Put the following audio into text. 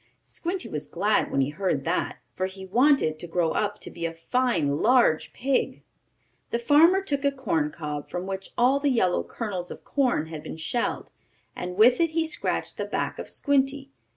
Squinty was glad when he heard that, for he wanted to grow up to be a fine, large pig. The farmer took a corn cob, from which all the yellow kernels of corn had been shelled, and with it he scratched the back of Squinty.